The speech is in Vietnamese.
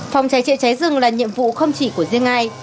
phòng cháy chữa cháy rừng là nhiệm vụ không chỉ của riêng ai